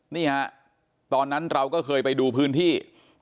นี่ฮะตอนนั้นเราก็เคยไปดูพื้นที่